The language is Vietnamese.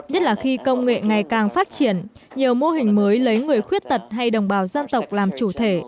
nhất là khi công nghệ ngày càng phát triển nhiều mô hình mới lấy người khuyết tật hay đồng bào dân tộc làm chủ thể